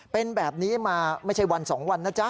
เป็นแบบนี้มาไม่ใช่วัน๒วันนะจ๊ะ